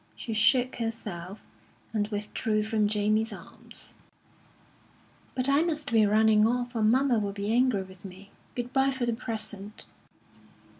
She shook herself, and withdrew from Jamie's arms. "But I must be running off, or mamma will be angry with me. Good bye for the present."